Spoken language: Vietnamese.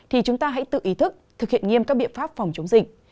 thì chúng ta hãy tự ý thức thực hiện nghiêm các biện pháp phòng chống dịch